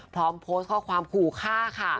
พร้อมโพสต์ข้อความขู่ฆ่าค่ะ